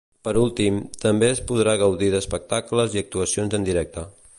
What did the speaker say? Per últim, també es podrà gaudir d’espectacles i actuacions en directe.